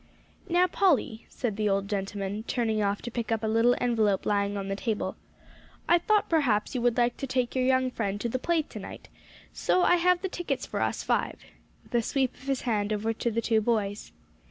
"Now, Polly," said the old gentleman, turning off to pick up a little envelope lying on the table, "I thought perhaps you would like to take your young friend to the play to night, so I have the tickets for us five," with a sweep of his hand over to the two boys.